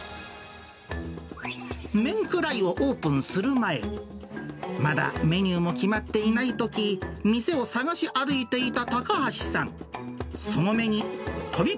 メンクライをオープンする前、まだメニューも決まっていないとき、店を探し歩いていた高橋さん。